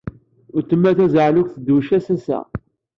Wetma tazeɛlukt ttduwec ač ass.